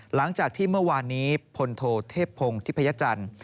หลังจากที่เมื่อวานนี้พลโทเทพพงศ์ทิพยจันทร์